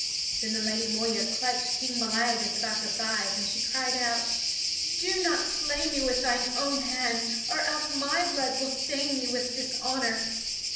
Then the Lady Moeya clutched King Meliadus about the thighs, and she cried out: "Do not slay me with thine own hand, or else my blood will stain thee with dishonor!